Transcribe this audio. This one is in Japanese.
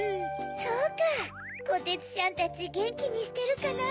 そうかこてつちゃんたちゲンキにしてるかな？